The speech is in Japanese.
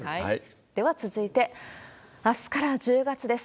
では続いて、あすから１０月です。